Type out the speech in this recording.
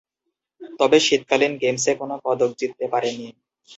তবে শীতকালীন গেমসে কোন পদক জিততে পারেনি।